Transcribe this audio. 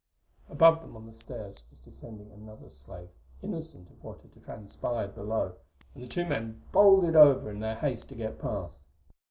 Above them on the stairs was descending another slave, innocent of what had transpired below, and the two men bowled it over in their haste to get past.